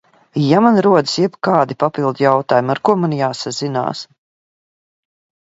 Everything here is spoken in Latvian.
Ja man rodas jebkādi papildu jautājumi, ar ko man jāsazinās?